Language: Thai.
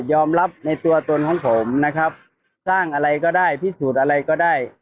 ยอมรับในตัวตนของผมนะครับสร้างอะไรก็ได้พิสูจน์อะไรก็ได้